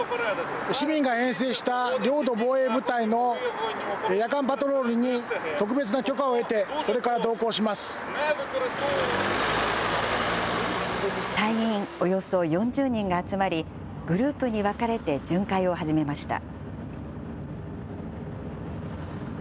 市民が編成した領土防衛部隊の夜間パトロールに特別な許可を得て、隊員およそ４０人が集まり、グループに分かれて巡回を始めました。